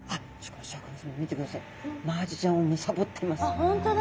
あ本当だ。